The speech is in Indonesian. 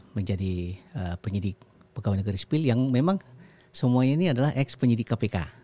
menjadi penyedik pegawai negeri spil yang memang semua ini adalah ex penyedik kpk